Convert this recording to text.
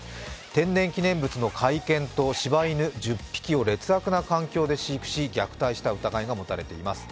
天然記念物の甲斐犬と柴犬、１０匹を劣悪な環境で飼育し虐待した疑いが持たれています。